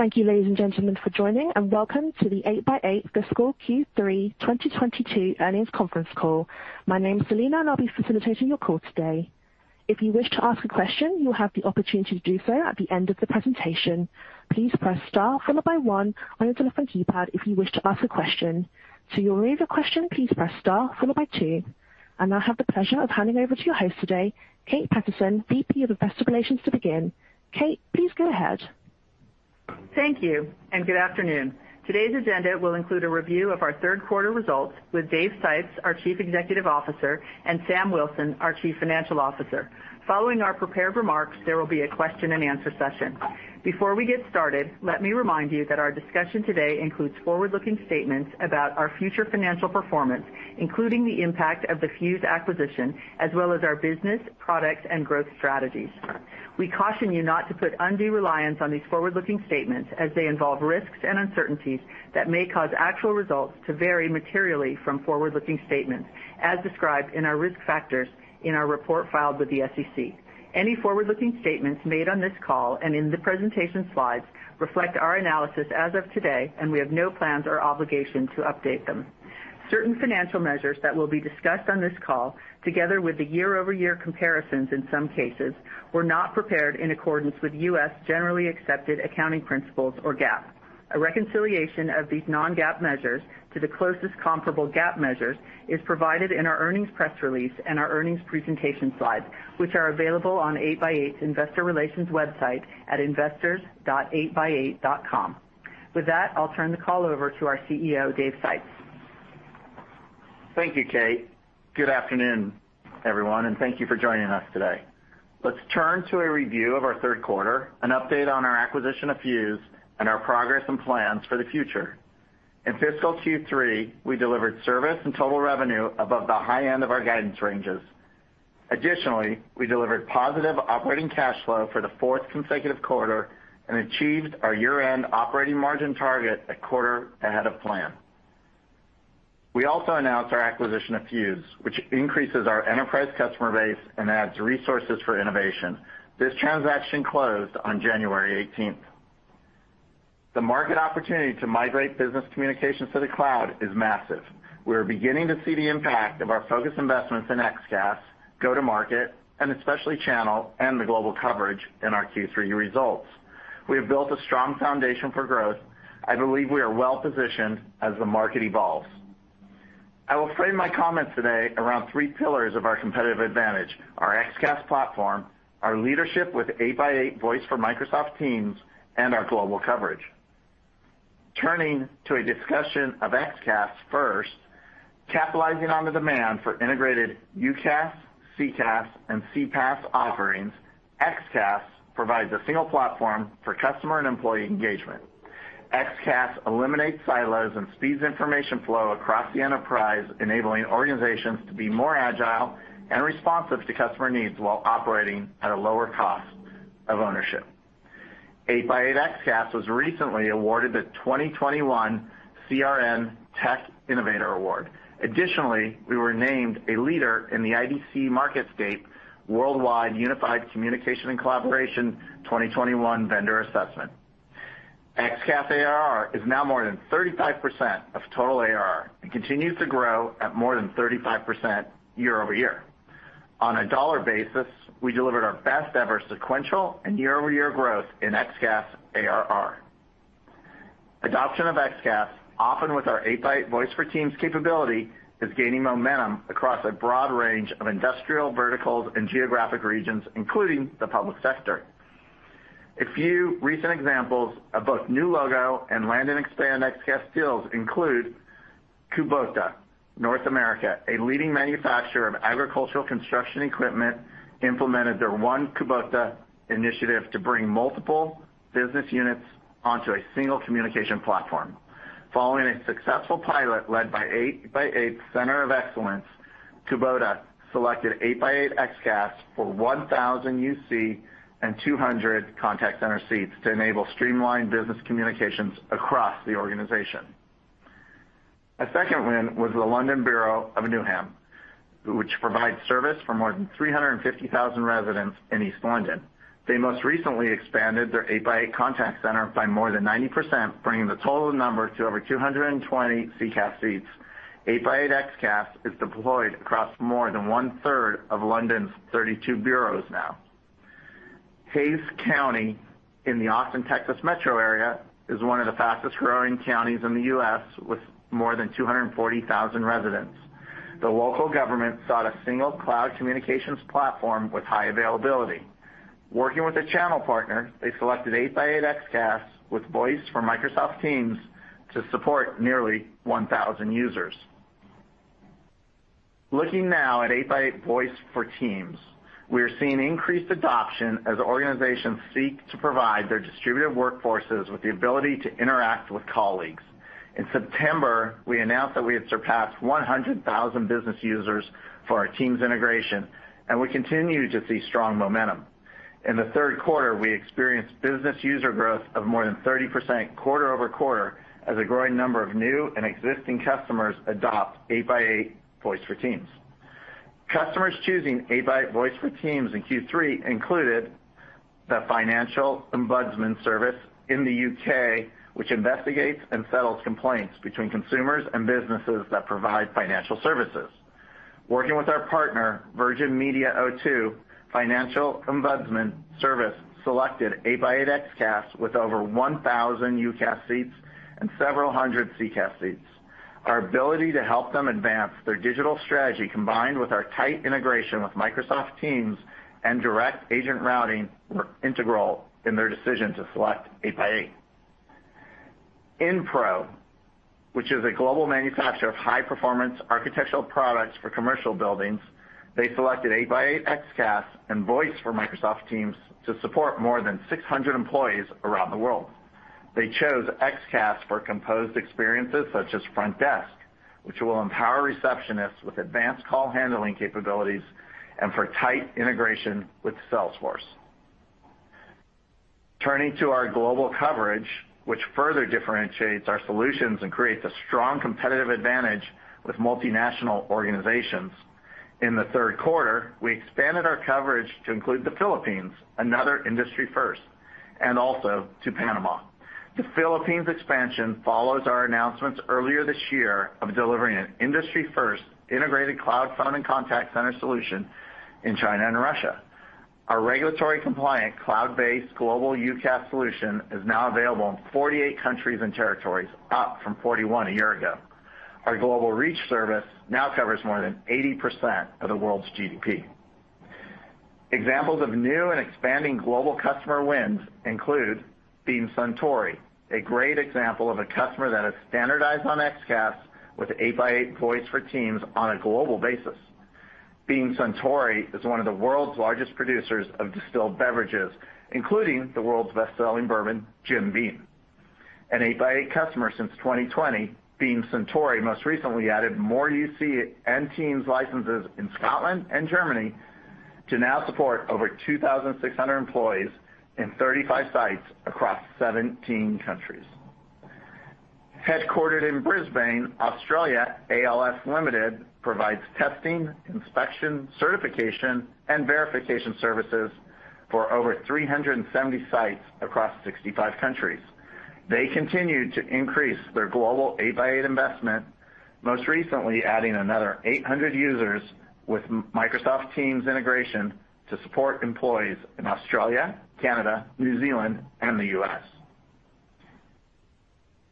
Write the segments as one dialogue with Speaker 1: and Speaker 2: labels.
Speaker 1: Thank you, ladies and gentlemen, for joining and welcome to the 8x8 fiscal Q3 2022 earnings conference call. My name is Selena, and I'll be facilitating your call today. If you wish to ask a question, you'll have the opportunity to do so at the end of the presentation. Please press Star followed by one on your telephone keypad if you wish to ask a question. To remove a question, please press Star followed by two. I now have the pleasure of handing over to your host today, Kate Patterson, VP of Investor Relations to begin. Kate, please go ahead.
Speaker 2: Thank you and good afternoon. Today's agenda will include a review of our Q3 results with Dave Sipes, our Chief Executive Officer, and Samuel Wilson, our Chief Financial Officer. Following our prepared remarks, there will be a question-and-answer session. Before we get started, let me remind you that our discussion today includes forward-looking statements about our future financial performance, including the impact of the Fuse acquisition, as well as our business, products, and growth strategies. We caution you not to put undue reliance on these forward-looking statements as they involve risks and uncertainties that may cause actual results to vary materially from forward-looking statements as described in our risk factors in our report filed with the SEC. Any forward-looking statements made on this call and in the presentation slides reflect our analysis as of today, and we have no plans or obligation to update them. Certain financial measures that will be discussed on this call, together with the year-over-year comparisons in some cases, were not prepared in accordance with U.S. generally accepted accounting principles or GAAP. A reconciliation of these non-GAAP measures to the closest comparable GAAP measures is provided in our earnings press release and our earnings presentation slides, which are available on 8x8's investor relations website at investors.8x8.com. With that, I'll turn the call over to our CEO, Dave Sipes.
Speaker 3: Thank you, Kate. Good afternoon, everyone, and thank you for joining us today. Let's turn to a review of our Q3, an update on our acquisition of Fuse, and our progress and plans for the future. In fiscal Q3, we delivered service and total revenue above the high end of our guidance ranges. Additionally, we delivered positive operating cash flow for the fourth consecutive quarter and achieved our year-end operating margin target a quarter ahead of plan. We also announced our acquisition of Fuse, which increases our enterprise customer base and adds resources for innovation. This transaction closed on January eighteenth. The market opportunity to migrate business communications to the cloud is massive. We're beginning to see the impact of our focus investments in XCaaS, go-to-market, and especially channel and the global coverage in our Q3 results. We have built a strong foundation for growth. I believe we are well-positioned as the market evolves. I will frame my comments today around three pillars of our competitive advantage, our XCaaS platform, our leadership with 8x8 Voice for Microsoft Teams, and our global coverage. Turning to a discussion of XCaaS first, capitalizing on the demand for integrated UCaaS, CCaaS, and CPaaS offerings, XCaaS provides a single platform for customer and employee engagement. XCaaS eliminates silos and speeds information flow across the enterprise, enabling organizations to be more agile and responsive to customer needs while operating at a lower cost of ownership. 8x8 XCaaS was recently awarded the 2021 CRM Tech Innovator Award. Additionally, we were named a leader in the IDC MarketScape Worldwide Unified Communication and Collaboration 2021 Vendor Assessment. XCaaS ARR is now more than 35% of total ARR and continues to grow at more than 35% year-over-year. On a dollar basis, we delivered our best ever sequential and year-over-year growth in XCaaS ARR. Adoption of XCaaS, often with our 8x8 Voice for Microsoft Teams capability, is gaining momentum across a broad range of industrial verticals and geographic regions, including the public sector. A few recent examples of both new logo and land and expand XCaaS deals include Kubota North America, a leading manufacturer of agricultural construction equipment. Implemented their One Kubota initiative to bring multiple business units onto a single communication platform. Following a successful pilot led by 8x8 Center of Excellence, Kubota selected 8x8 XCaaS for 1,000 UC and 200 contact center seats to enable streamlined business communications across the organization. A second win was the London Borough of Newham, which provides service for more than 350,000 residents in East London. They most recently expanded their 8x8 contact center by more than 90%, bringing the total number to over 220 CCaaS seats. 8x8 XCaaS is deployed across more than 1/3 of London's 32 boroughs now. Hays County in the Austin, Texas metro area is one of the fastest-growing counties in the U.S., with more than 240,000 residents. The local government sought a single cloud communications platform with high availability. Working with a channel partner, they selected 8x8 XCaaS with Voice for Microsoft Teams to support nearly 1,000 users. Looking now at 8x8 Voice for Teams, we are seeing increased adoption as organizations seek to provide their distributed workforces with the ability to interact with colleagues. In September, we announced that we had surpassed 100,000 business users for our Teams integration, and we continue to see strong momentum. In the Q3, we experienced business user growth of more than 30% quarter-over-quarter as a growing number of new and existing customers adopt 8x8 Voice for Teams. Customers choosing 8x8 Voice for Teams in Q3 included the Financial Ombudsman Service in the U.K., which investigates and settles complaints between consumers and businesses that provide financial services. Working with our partner, Virgin Media O2, Financial Ombudsman Service selected 8x8 XCaaS with over 1,000 UCaaS seats and several hundred CCaaS seats. Our ability to help them advance their digital strategy, combined with our tight integration with Microsoft Teams and direct agent routing were integral in their decision to select 8x8. Inpro, which is a global manufacturer of high-performance architectural products for commercial buildings, they selected 8x8 XCaaS and Voice for Microsoft Teams to support more than 600 employees around the world. They chose XCaaS for composed experiences such as front desk, which will empower receptionists with advanced call handling capabilities and for tight integration with Salesforce. Turning to our global coverage, which further differentiates our solutions and creates a strong competitive advantage with multinational organizations. In the Q3, we expanded our coverage to include the Philippines, another industry first, and also to Panama. The Philippines expansion follows our announcements earlier this year of delivering an industry-first integrated cloud phone and contact center solution in China and Russia. Our regulatory compliant cloud-based global UCaaS solution is now available in 48 countries and territories, up from 41 a year ago. Our global reach service now covers more than 80% of the world's GDP. Examples of new and expanding global customer wins include Beam Suntory, a great example of a customer that has standardized on XCaaS with 8x8 Voice for Microsoft Teams on a global basis. Beam Suntory is one of the world's largest producers of distilled beverages, including the world's best-selling bourbon, Jim Beam. An 8x8 customer since 2020, Beam Suntory most recently added more UC and Teams licenses in Scotland and Germany to now support over 2,600 employees in 35 sites across 17 countries. Headquartered in Brisbane, Australia, ALS Limited provides testing, inspection, certification, and verification services for over 370 sites across 65 countries. They continue to increase their global 8x8 investment, most recently adding another 800 users with Microsoft Teams integration to support employees in Australia, Canada, New Zealand, and the U.S.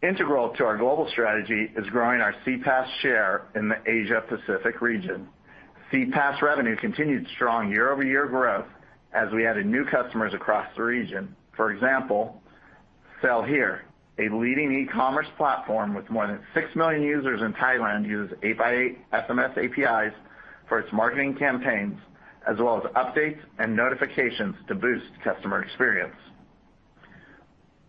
Speaker 3: Integral to our global strategy is growing our CPaaS share in the Asia Pacific region. CPaaS revenue continued strong year-over-year growth as we added new customers across the region. For example, Sell Here, a leading e-commerce platform with more than 6 million users in Thailand, uses 8x8 SMS APIs for its marketing campaigns, as well as updates and notifications to boost customer experience.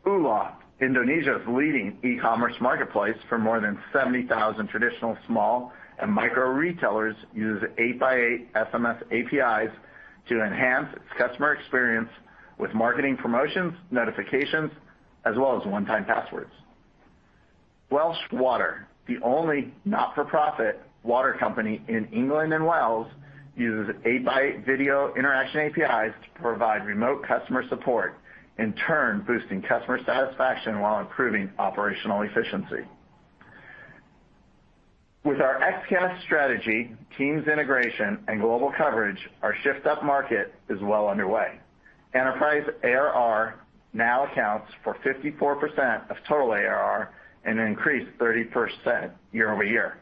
Speaker 3: Ula, Indonesia's leading e-commerce marketplace for more than 70,000 traditional small and micro-retailers, use 8x8 SMS APIs to enhance its customer experience with marketing promotions, notifications, as well as one-time passwords. Welsh Water, the only not-for-profit water company in England and Wales, uses 8x8 video interaction APIs to provide remote customer support, in turn boosting customer satisfaction while improving operational efficiency. With our XCaaS strategy, Teams integration, and global coverage, our shift up market is well underway. Enterprise ARR now accounts for 54% of total ARR and an increased 30% year-over-year.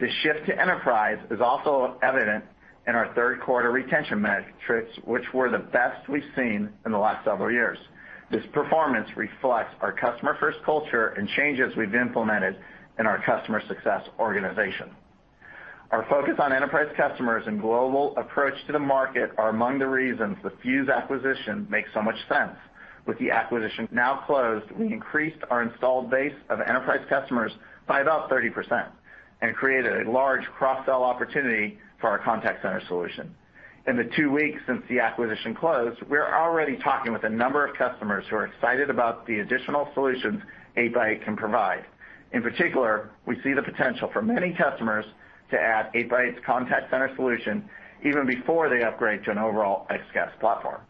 Speaker 3: The shift to enterprise is also evident in our Q3 retention metrics, which were the best we've seen in the last several years. This performance reflects our customer-first culture and changes we've implemented in our customer success organization. Our focus on enterprise customers and global approach to the market are among the reasons the Fuse acquisition makes so much sense. With the acquisition now closed, we increased our installed base of enterprise customers by about 30% and created a large cross-sell opportunity for our contact center solution. In the two weeks since the acquisition closed, we're already talking with a number of customers who are excited about the additional solutions 8x8 can provide. In particular, we see the potential for many customers to add 8x8's contact center solution even before they upgrade to an overall XCaaS platform.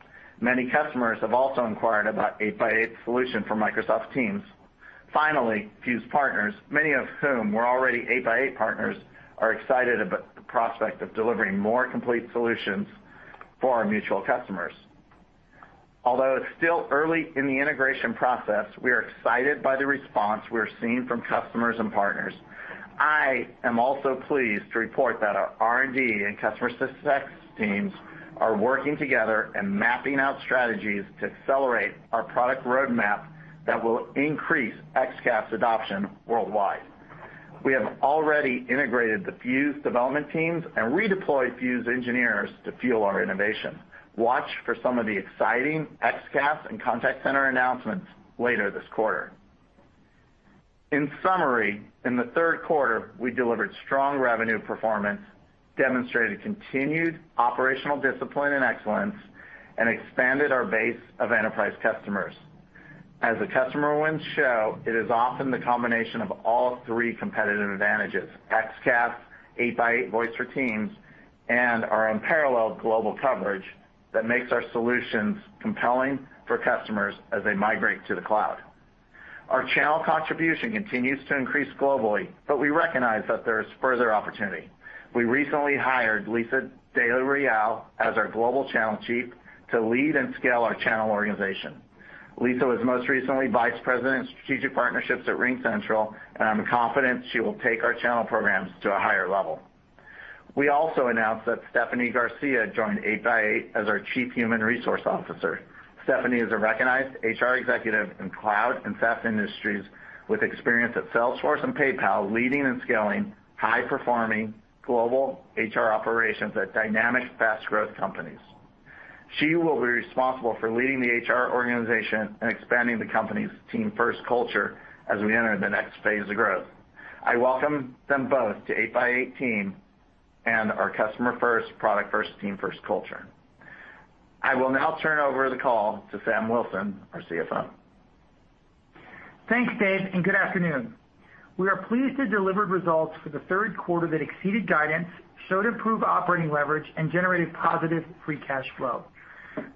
Speaker 3: Many customers have also inquired about 8x8's solution for Microsoft Teams. Finally, Fuse partners, many of whom were already 8x8 partners, are excited about the prospect of delivering more complete solutions for our mutual customers. Although it's still early in the integration process, we are excited by the response we are seeing from customers and partners. I am also pleased to report that our R&D and customer success teams are working together and mapping out strategies to accelerate our product roadmap that will increase XCaaS adoption worldwide. We have already integrated the Fuse development teams and redeployed Fuse engineers to fuel our innovation. Watch for some of the exciting XCaaS and contact center announcements later this quarter. In summary, in the Q3, we delivered strong revenue performance, demonstrated continued operational discipline and excellence, and expanded our base of enterprise customers. As the customer wins show, it is often the combination of all three competitive advantages, XCaaS, 8x8 Voice for Microsoft Teams, and our unparalleled global coverage that makes our solutions compelling for customers as they migrate to the cloud. Our channel contribution continues to increase globally, but we recognize that there is further opportunity. We recently hired Lisa Del Real as our Global Channel Chief to lead and scale our channel organization. Lisa was most recently Vice President of Strategic Partnerships at RingCentral, and I'm confident she will take our channel programs to a higher level. We also announced that Stephanie Garcia joined 8x8 as our Chief Human Resources Officer. Stephanie is a recognized HR executive in cloud and SaaS industries with experience at Salesforce and PayPal, leading and scaling high-performing global HR operations at dynamic fast growth companies. She will be responsible for leading the HR organization and expanding the company's team first culture as we enter the next phase of growth. I welcome them both to 8x8 team and our customer first, product first, team first culture. I will now turn over the call to Sam Wilson, our CFO.
Speaker 4: Thanks, Dave, and good afternoon. We are pleased to deliver results for the Q3 that exceeded guidance, showed improved operating leverage and generated positive free cash flow.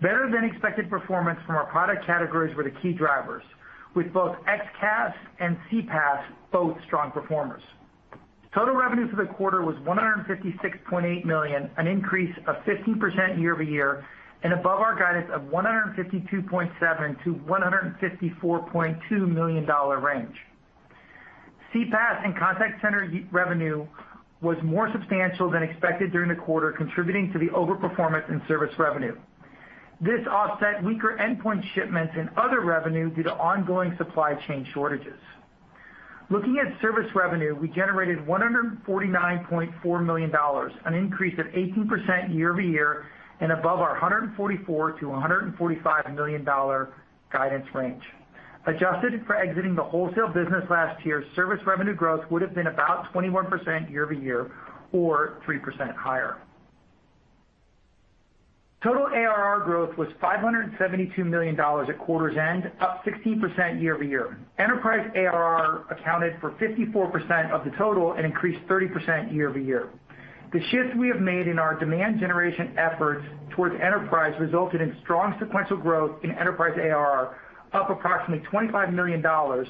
Speaker 4: Better-than-expected performance from our product categories were the key drivers, with both XCaaS and CPaaS both strong performers. Total revenue for the quarter was $156.8 million, an increase of 15% year-over-year, and above our guidance of $152.7 million-$154.2 million range. CPaaS and contact center revenue was more substantial than expected during the quarter, contributing to the overperformance in service revenue. This offset weaker endpoint shipments and other revenue due to ongoing supply chain shortages. Looking at service revenue, we generated $149.4 million, an increase of 18% year-over-year, and above our $144 million-$145 million guidance range. Adjusted for exiting the wholesale business last year, service revenue growth would have been about 21% year-over-year, or 3% higher. Total ARR growth was $572 million at quarter's end, up 16% year-over-year. Enterprise ARR accounted for 54% of the total and increased 30% year-over-year. The shift we have made in our demand generation efforts towards enterprise resulted in strong sequential growth in enterprise ARR, up approximately $25 million or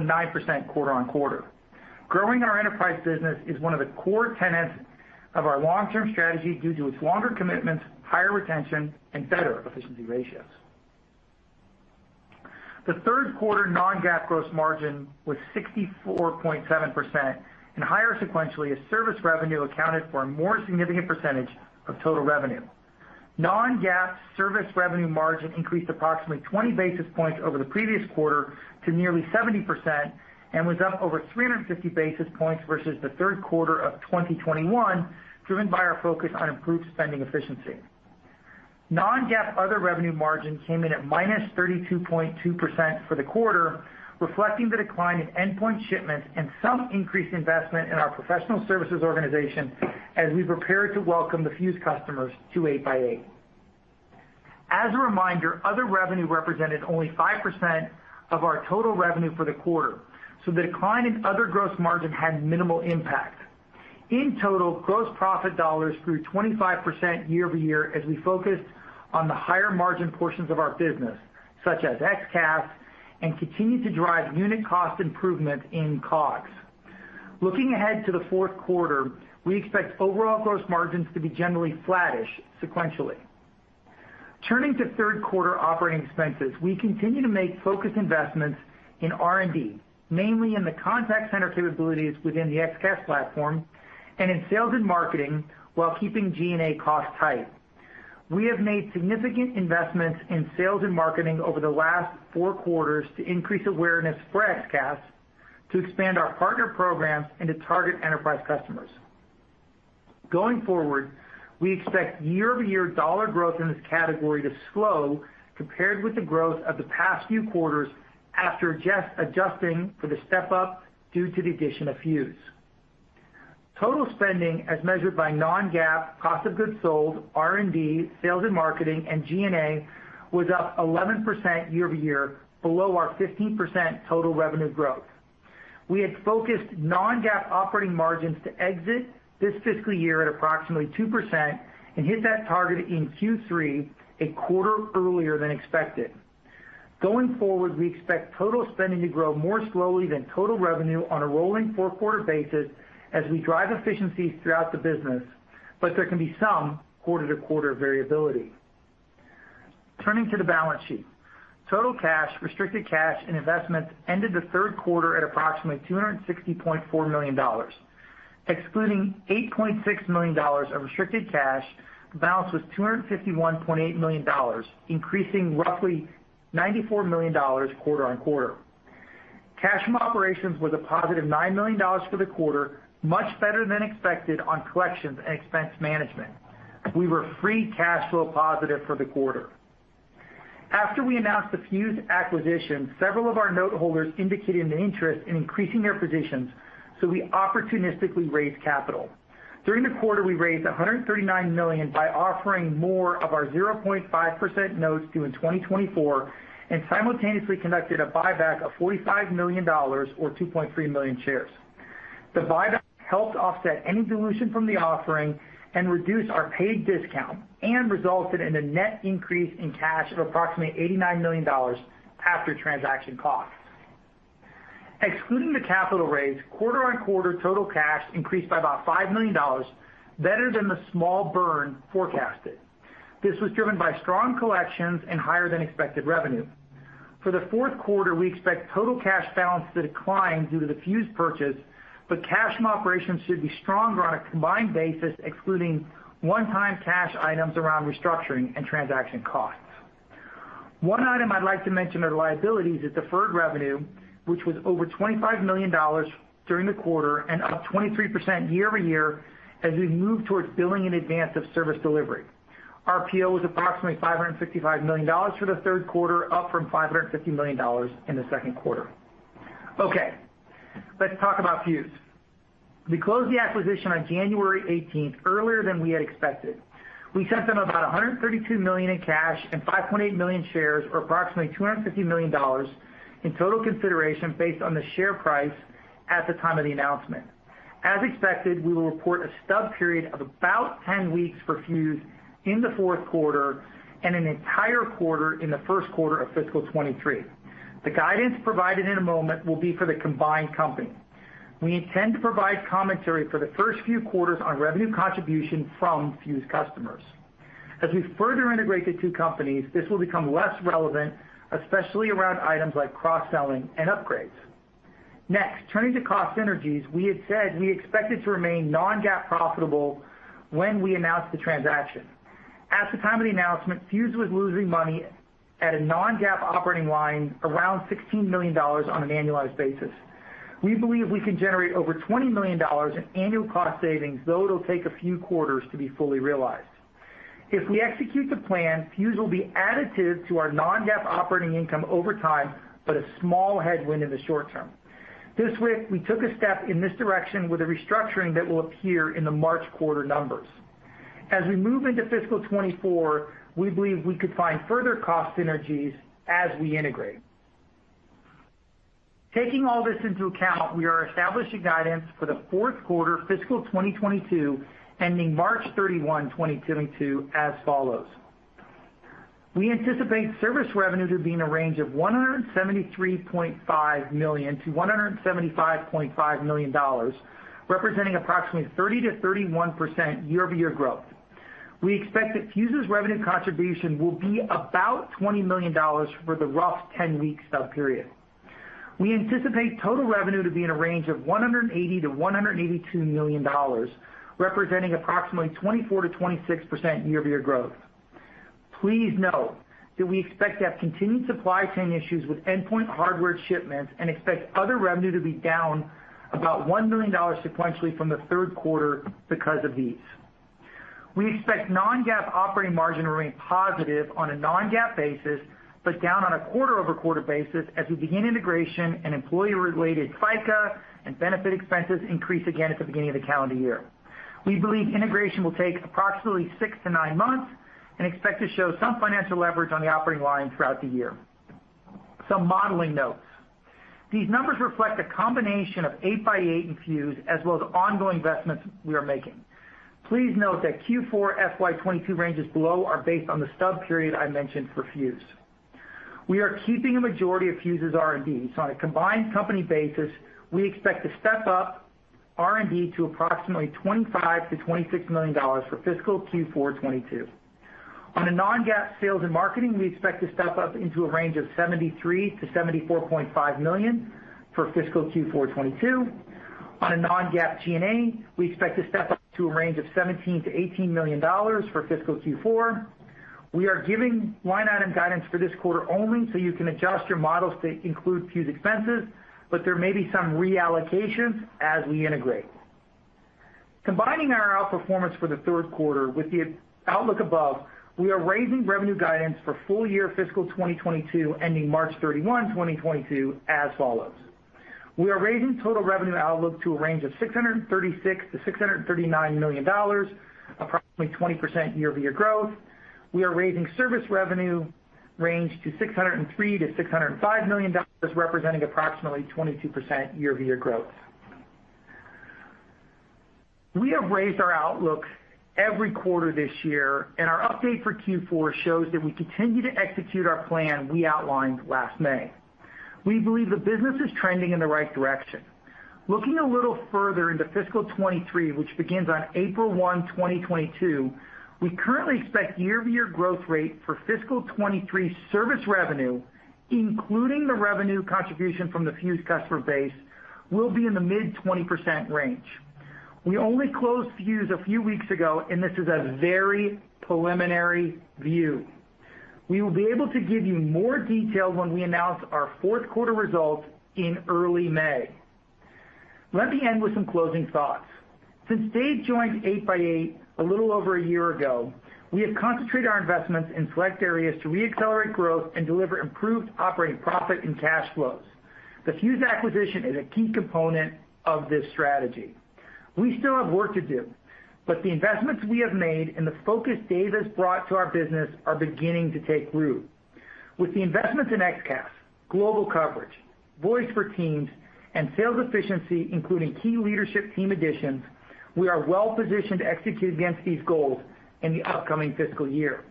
Speaker 4: 9% quarter-over-quarter. Growing our enterprise business is one of the core tenets of our long-term strategy due to its longer commitments, higher retention, and better efficiency ratios. The Q3 non-GAAP gross margin was 64.7% and higher sequentially as service revenue accounted for a more significant percentage of total revenue. Non-GAAP service revenue margin increased approximately 20 basis points over the previous quarter to nearly 70% and was up over 350 basis points versus the Q3 of 2021, driven by our focus on improved spending efficiency. Non-GAAP other revenue margin came in at -32.2% for the quarter, reflecting the decline in endpoint shipments and some increased investment in our professional services organization as we prepare to welcome the Fuse customers to 8x8. As a reminder, other revenue represented only 5% of our total revenue for the quarter, so the decline in other gross margin had minimal impact. In total, gross profit dollars grew 25% year-over-year as we focused on the higher margin portions of our business, such as XCaaS, and continued to drive unit cost improvement in COGS. Looking ahead to the Q4, we expect overall gross margins to be generally flattish sequentially. Turning to Q3 operating expenses, we continue to make focused investments in R&D, mainly in the contact center capabilities within the XCaaS platform and in sales and marketing while keeping G&A costs tight. We have made significant investments in sales and marketing over the last four quarters to increase awareness for XCaaS, to expand our partner programs, and to target enterprise customers. Going forward, we expect year-over-year dollar growth in this category to slow compared with the growth of the past few quarters after just adjusting for the step-up due to the addition of Fuse. Total spending as measured by non-GAAP, cost of goods sold, R&D, sales and marketing, and G&A was up 11% year-over-year, below our 15% total revenue growth. We had forecasted non-GAAP operating margins to exit this fiscal year at approximately 2% and hit that target in Q3 a quarter earlier than expected. Going forward, we expect total spending to grow more slowly than total revenue on a rolling four-quarter basis as we drive efficiencies throughout the business, but there can be some quarter-to-quarter variability. Turning to the balance sheet. Total cash, restricted cash, and investments ended the Q3 at approximately $260.4 million. Excluding $8.6 million of restricted cash, the balance was $251.8 million, increasing roughly $94 million quarter-over-quarter. Cash from operations was a positive $9 million for the quarter, much better than expected on collections and expense management. We were free cash flow positive for the quarter. After we announced the Fuse acquisition, several of our note holders indicated an interest in increasing their positions, so we opportunistically raised capital. During the quarter, we raised $139 million by offering more of our 0.5% notes due in 2024, and simultaneously conducted a buyback of $45 million or 2.3 million shares. The buyback helped offset any dilution from the offering and reduced our paid discount and resulted in a net increase in cash of approximately $89 million after transaction costs. Excluding the capital raise, quarter-on-quarter total cash increased by about $5 million, better than the small burn forecasted. This was driven by strong collections and higher than expected revenue. For the Q4, we expect total cash balance to decline due to the Fuse purchase, but cash from operations should be stronger on a combined basis, excluding one-time cash items around restructuring and transaction costs. One item I'd like to mention under liabilities is deferred revenue, which was over $25 million during the quarter and up 23% year-over-year as we move towards billing in advance of service delivery. Our RPO was approximately $555 million for the Q3, up from $550 million in the Q2. Okay, let's talk about Fuse. We closed the acquisition on January eighteenth, earlier than we had expected. We sent them about $132 million in cash and 5.8 million shares or approximately $250 million in total consideration based on the share price at the time of the announcement. As expected, we will report a stub period of about 10 weeks for Fuse in the Q4 and an entire quarter in the Q1 of fiscal 2023. The guidance provided in a moment will be for the combined company. We intend to provide commentary for the first few quarters on revenue contribution from Fuse customers. As we further integrate the two companies, this will become less relevant, especially around items like cross-selling and upgrades. Next, turning to cost synergies, we had said we expected to remain non-GAAP profitable when we announced the transaction. At the time of the announcement, Fuse was losing money at a non-GAAP operating line around $16 million on an annualized basis. We believe we can generate over $20 million in annual cost savings, though it'll take a few quarters to be fully realized. If we execute the plan, Fuse will be additive to our non-GAAP operating income over time, but a small headwind in the short term. This week, we took a step in this direction with a restructuring that will appear in the March quarter numbers. As we move into fiscal 2024, we believe we could find further cost synergies as we integrate. Taking all this into account, we are establishing guidance for the Q4 fiscal 2022, ending March 31, 2022 as follows. We anticipate service revenue to be in a range of $173.5 million-$175.5 million, representing approximately 30%-31% year-over-year growth. We expect that Fuse's revenue contribution will be about $20 million for the rough ten-week stub period. We anticipate total revenue to be in a range of $180 million-$182 million, representing approximately 24%-26% year-over-year growth. Please note that we expect to have continued supply chain issues with endpoint hardware shipments and expect other revenue to be down about $1 million sequentially from the Q3 because of these. We expect non-GAAP operating margin to remain positive on a non-GAAP basis, but down on a quarter-over-quarter basis as we begin integration and employee-related FICA and benefit expenses increase again at the beginning of the calendar year. We believe integration will take approximately six to nine months and expect to show some financial leverage on the operating line throughout the year. Some modeling notes. These numbers reflect a combination of 8x8 and Fuse as well as ongoing investments we are making. Please note that Q4 FY 2022 ranges below are based on the stub period I mentioned for Fuse. We are keeping a majority of Fuse's R&D. On a combined company basis, we expect to step up R&D to approximately $25 million-$26 million for fiscal Q4 2022. On a non-GAAP sales and marketing, we expect to step up into a range of $73 million-$74.5 million for fiscal Q4 2022. On a non-GAAP G&A, we expect to step up to a range of $17 million-$18 million for fiscal Q4 2022. We are giving line item guidance for this quarter only, so you can adjust your models to include Fuse expenses, but there may be some reallocations as we integrate. Combining our outperformance for the Q3 with the outlook above, we are raising revenue guidance for full year fiscal 2022, ending March 31, 2022 as follows. We are raising total revenue outlook to a range of $636 million-$639 million, approximately 20% year-over-year growth. We are raising service revenue range to $603 million-$605 million, representing approximately 22% year-over-year growth. We have raised our outlook every quarter this year, and our update for Q4 shows that we continue to execute our plan we outlined last May. We believe the business is trending in the right direction. Looking a little further into fiscal 2023, which begins on April 1, 2022, we currently expect year-over-year growth rate for fiscal 2023 service revenue, including the revenue contribution from the Fuse customer base, will be in the mid-20% range. We only closed Fuse a few weeks ago, and this is a very preliminary view. We will be able to give you more details when we announce our Q4 results in early May. Let me end with some closing thoughts. Since Dave joined 8x8 a little over a year ago, we have concentrated our investments in select areas to reaccelerate growth and deliver improved operating profit and cash flows. The Fuse acquisition is a key component of this strategy. We still have work to do, but the investments we have made and the focus Dave has brought to our business are beginning to take root. With the investments in XCaaS, global coverage, Voice for Microsoft Teams, and sales efficiency, including key leadership team additions, we are well-positioned to execute against these goals in the upcoming fiscal year.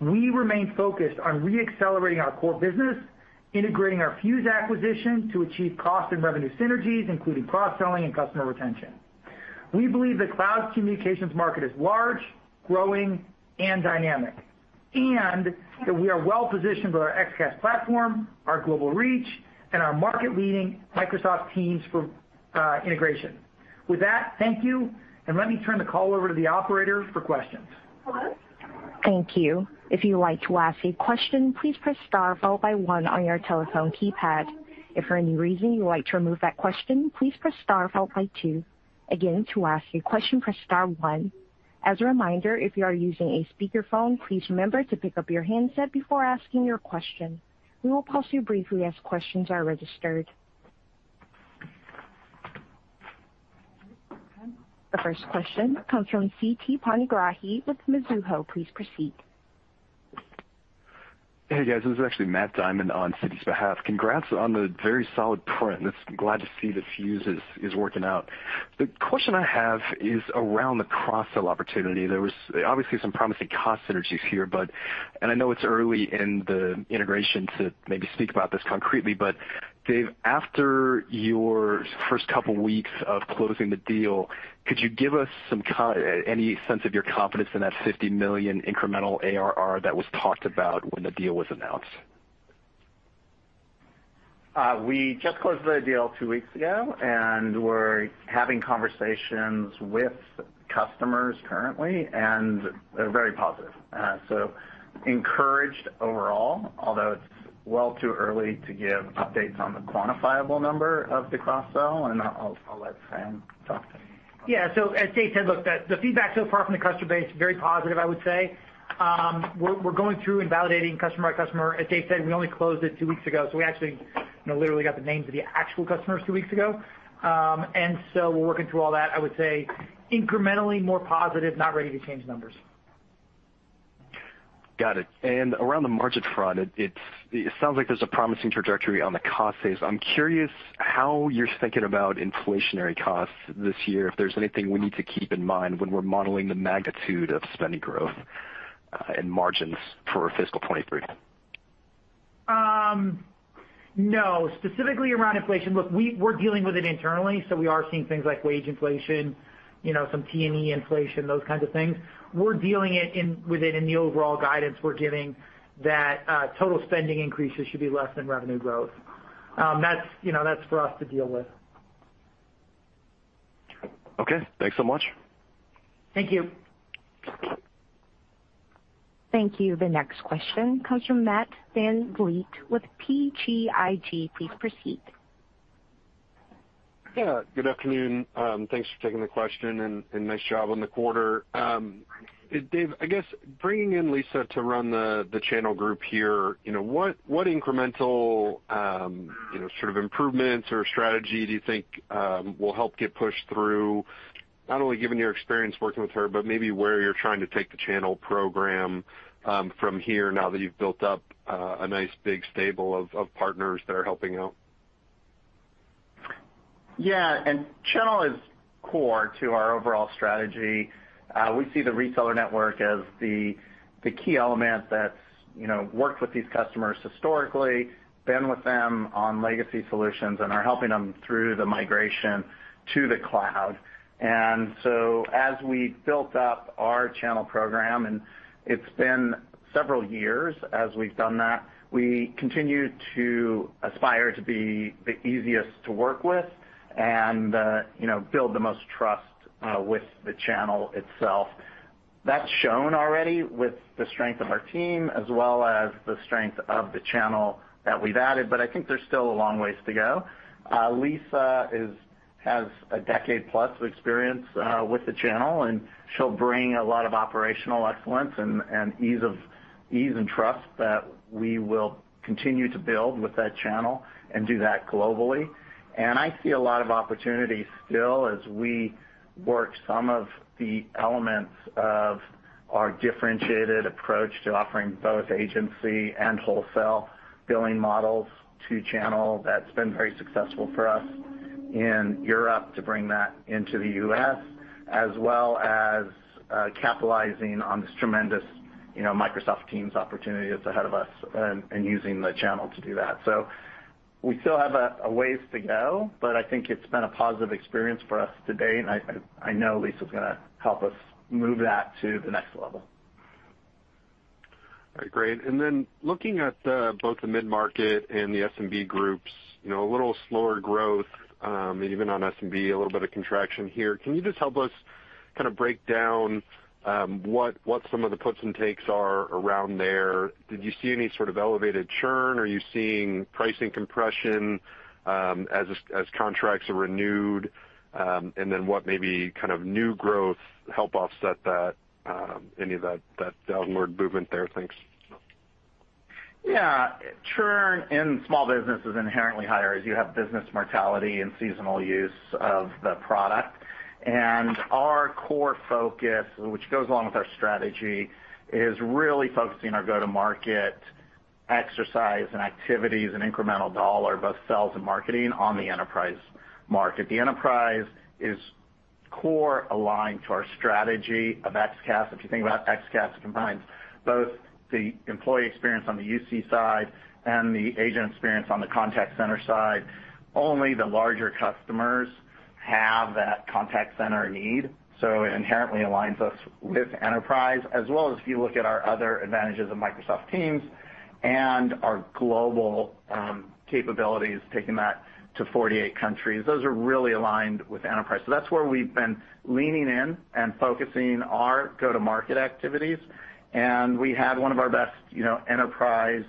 Speaker 4: We remain focused on re-accelerating our core business, integrating our Fuse acquisition to achieve cost and revenue synergies, including cross-selling and customer retention. We believe the cloud communications market is large, growing and dynamic, and that we are well-positioned with our XCaaS platform, our global reach, and our market-leading Microsoft Teams for integration. With that, thank you, and let me turn the call over to the operator for questions.
Speaker 1: The first question comes from Siti Panigrahi with Mizuho. Please proceed.
Speaker 5: Hey, guys. This is actually Matt Diamond on Citi's behalf. Congrats on the very solid print. It's glad to see that Fuse is working out. The question I have is around the cross-sell opportunity. There was obviously some promising cost synergies here, but, and I know it's early in the integration to maybe speak about this concretely, but Dave, after your first couple weeks of closing the deal, could you give us any sense of your confidence in that $50 million incremental ARR that was talked about when the deal was announced?
Speaker 3: We just closed the deal two weeks ago, and we're having conversations with customers currently, and they're very positive. Encouraged overall, although it's way too early to give updates on the quantifiable number of the cross-sell, and I'll let Franc talk to that.
Speaker 4: Yeah. As Dave said, look, the feedback so far from the customer base, very positive, I would say. We're going through and validating customer by customer. As Dave said, we only closed it two weeks ago, so we actually, you know, literally got the names of the actual customers two weeks ago. We're working through all that. I would say incrementally more positive, not ready to change numbers.
Speaker 5: Around the margin front, it sounds like there's a promising trajectory on the cost savings. I'm curious how you're thinking about inflationary costs this year, if there's anything we need to keep in mind when we're modeling the magnitude of spending growth, and margins for fiscal 2023.
Speaker 4: No. Specifically around inflation, look, we're dealing with it internally, so we are seeing things like wage inflation, you know, some T&E inflation, those kinds of things. We're dealing with it within the overall guidance we're giving that total spending increases should be less than revenue growth. That's, you know, that's for us to deal with.
Speaker 5: Okay. Thanks so much.
Speaker 4: Thank you.
Speaker 1: Thank you. The next question comes from Matt VanVliet with PGIG. Please proceed.
Speaker 6: Yeah, good afternoon. Thanks for taking the question and nice job on the quarter. Dave, I guess bringing in Lisa to run the channel group here, you know, what incremental, you know, sort of improvements or strategy do you think will help get pushed through, not only given your experience working with her, but maybe where you're trying to take the channel program from here now that you've built up a nice big stable of partners that are helping out?
Speaker 3: Yeah. Channel is core to our overall strategy. We see the reseller network as the key element that's, you know, worked with these customers historically, been with them on legacy solutions and are helping them through the migration to the cloud. As we built up our channel program, and it's been several years as we've done that, we continue to aspire to be the easiest to work with and, you know, build the most trust with the channel itself. That's shown already with the strength of our team as well as the strength of the channel that we've added, but I think there's still a long ways to go. Lisa has a decade plus of experience with the channel, and she'll bring a lot of operational excellence and ease and trust that we will continue to build with that channel and do that globally. I see a lot of opportunities still as we work some of the elements of our differentiated approach to offering both agency and wholesale billing models to channel that's been very successful for us in Europe to bring that into the U.S., as well as capitalizing on this tremendous, you know, Microsoft Teams opportunity that's ahead of us and using the channel to do that. We still have a ways to go, but I think it's been a positive experience for us to date, and I know Lisa's gonna help us move that to the next level.
Speaker 6: All right, great. Looking at both the mid-market and the SMB groups, you know, a little slower growth, even on SMB, a little bit of contraction here. Can you just help us kinda break down what some of the puts and takes are around there? Did you see any sort of elevated churn? Are you seeing pricing compression, as contracts are renewed? And then what maybe kind of new growth help offset that, any of that downward movement there? Thanks.
Speaker 4: Yeah. Churn in small business is inherently higher as you have business mortality and seasonal use of the product. Our core focus, which goes along with our strategy, is really focusing our go-to-market exercise and activities and incremental dollar, both sales and marketing on the enterprise market. The enterprise is core aligned to our strategy of XCaaS. If you think about XCaaS combines both the employee experience on the UC side and the agent experience on the contact center side. Only the larger customers have that contact center need, so it inherently aligns us with enterprise as well as if you look at our other advantages of Microsoft Teams and our global, capabilities, taking that to 48 countries, those are really aligned with enterprise. That's where we've been leaning in and focusing our go-to-market activities. We had one of our best, you know, enterprise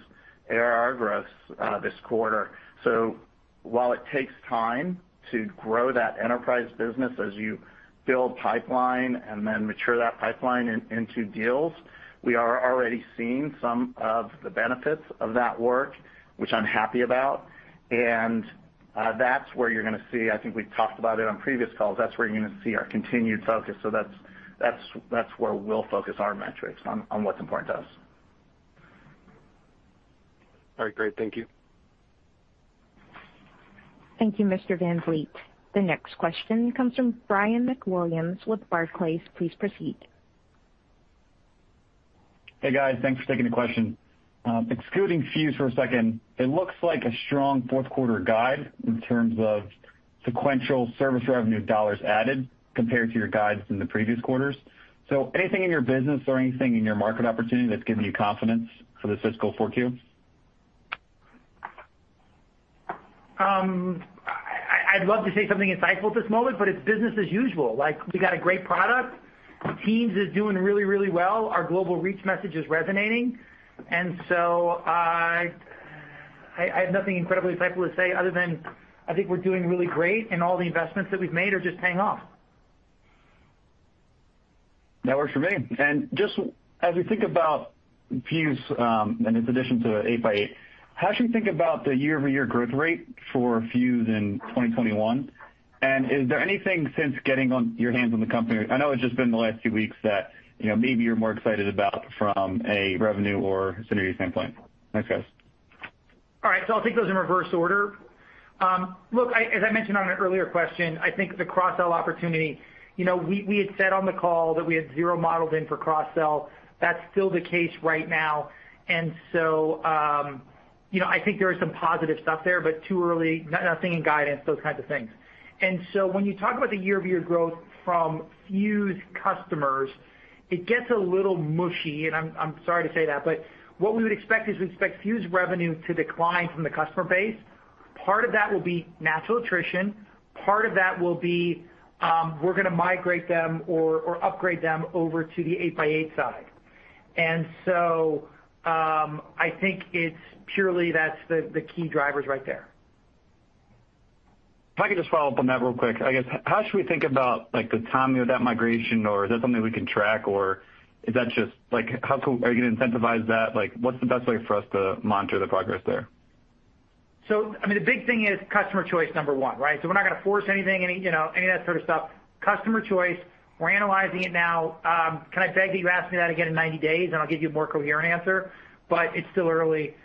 Speaker 4: ARR growths this quarter. While it takes time to grow that enterprise business as you build pipeline and then mature that pipeline into deals, we are already seeing some of the benefits of that work, which I'm happy about. That's where you're gonna see, I think we've talked about it on previous calls. That's where you're gonna see our continued focus. That's where we'll focus our metrics on what's important to us.
Speaker 6: All right, great. Thank you.
Speaker 1: Thank you, Mr. VanVliet. The next question comes from Ryan MacWilliams with Barclays. Please proceed.
Speaker 7: Hey, guys. Thanks for taking the question. Excluding Fuse for a second, it looks like a strong Q4 guide in terms of sequential service revenue dollars added compared to your guides in the previous quarters. Anything in your business or anything in your market opportunity that's giving you confidence for this fiscal four Q?
Speaker 4: I'd love to say something insightful at this moment, but it's business as usual. Like, we got a great product. Teams is doing really, really well. Our global reach message is resonating. I have nothing incredibly insightful to say other than I think we're doing really great, and all the investments that we've made are just paying off.
Speaker 7: That works for me. Just as we think about Fuse, and its addition to 8x8, how should we think about the year-over-year growth rate for Fuse in 2021? Is there anything since getting your hands on the company, I know it's just been the last few weeks that maybe you're more excited about from a revenue or synergy standpoint? Thanks, guys.
Speaker 4: All right. I'll take those in reverse order. Look, as I mentioned on an earlier question, I think the cross-sell opportunity, you know, we had said on the call that we had 0 modeled in for cross-sell. That's still the case right now. You know, I think there is some positive stuff there, but too early, not seeing guidance, those kinds of things. When you talk about the year-over-year growth from Fuse customers, it gets a little mushy, and I'm sorry to say that, but what we would expect is we expect Fuse revenue to decline from the customer base. Part of that will be natural attrition. Part of that will be, we're gonna migrate them or upgrade them over to the 8x8 side. I think it's purely that's the key drivers right there.
Speaker 7: If I could just follow up on that real quick. I guess, how should we think about, like, the timing of that migration? Or is that something we can track? Or is that just like, how are you gonna incentivize that? Like, what's the best way for us to monitor the progress there?
Speaker 4: I mean, the big thing is customer choice, number one, right? We're not gonna force anything, you know, any of that sort of stuff. Customer choice, we're analyzing it now. Can I beg that you ask me that again in 90 days, and I'll give you a more coherent answer? It's still early.